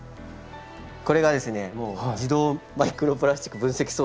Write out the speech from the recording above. これが自動マイクロプラスチック分析装置